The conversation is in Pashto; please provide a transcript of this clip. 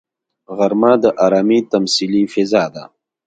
غرمه د ارامي تمثیلي فضا ده